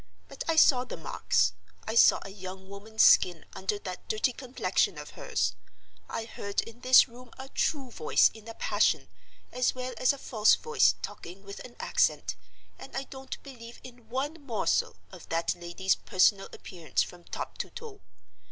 But I saw the marks; I saw a young woman's skin under that dirty complexion of hers; I heard in this room a true voice in a passion, as well as a false voice talking with an accent, and I don't believe in one morsel of that lady's personal appearance from top to toe.